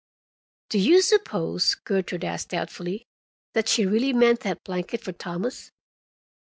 "Do you suppose," Gertrude asked doubtfully, "that she really meant that blanket for Thomas?"